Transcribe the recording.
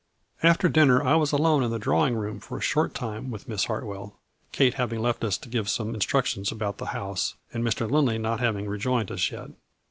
After dinner I was alone in the drawing room for a short time with Miss Hartwell, Kate hav ing left us to give some instructions about the house, and Mr. Lindley not having rejoined us yet.